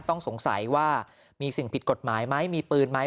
ต้องสงสัยว่ามีสิ่งผิดกฎหมายไหมมีปืนไหม